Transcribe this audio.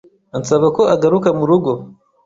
Ansaba ko agaruka mu rugo